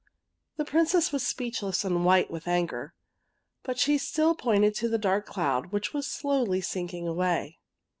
The Princess was speechless and white with anger, but she still pointed to the dark cloud which was slowly sinking away.